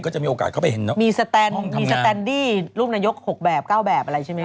ก็จะมีโอกาสเข้าไปมีแสดนห้องมีแสดนดิลูกนายก๖แบบ๙แบบอะไรใช่ไหม